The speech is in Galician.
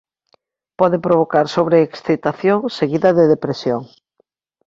Pode provocar sobreexcitación seguida de depresión.